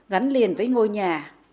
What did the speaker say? gắn liền với ngôi nhà